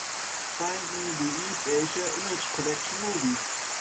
Find me the East Asia Image Collection movie.